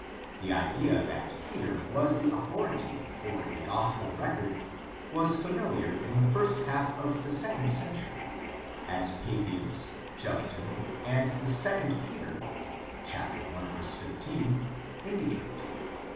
The idea that Peter was the authority for a gospel record was familiar in the first half of the second century, as Papias, Justin, and the II Peter (1:15) indicate.